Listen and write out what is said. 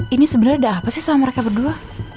ini sebenernya ada apa sih sama mereka berdua